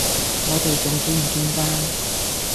我哋仲見唔見㗎？